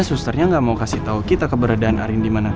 susternya gak mau kasih tau kita keberadaan arin dimana